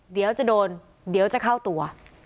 เดี๋ยวจะโดนเดี๋ยวจะเข้าตัว